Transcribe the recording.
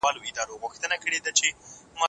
دا زه ژر ولاړم که ناوخته ته را ورسېدې